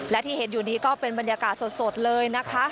และที่เห็นอยู่นี้ก็เป็นบรรยากาศสดเลยนะคะ